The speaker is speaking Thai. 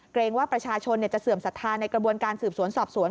ว่าประชาชนจะเสื่อมศรัทธาในกระบวนการสืบสวนสอบสวน